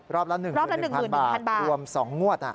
รอบละ๑๐๐๐บาทรวม๒งวด